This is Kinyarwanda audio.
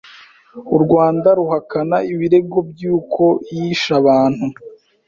U Rwanda ruhakana ibirego byuko yishe abantu